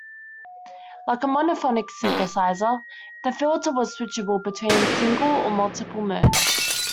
Like a monophonic synthesizer, the filter was switchable between single or multiple modes.